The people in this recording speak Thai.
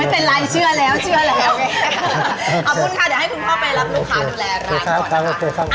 โอเคขอบคุณค่ะเดี๋ยวให้คุณพ่อไปรับลูกค้าดูแลร้านก่อนนะคะ